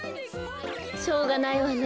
しょうがないわね。